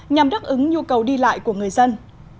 nhằm đáp ứng nhu cầu đi lại của người dân